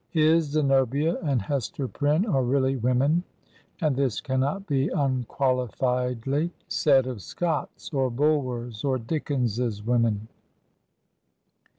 His Zenobia and Hester Prynne are really women, and this cannot be unqualifiedly said of Scott's, or Btdwer's, or Dickens's women.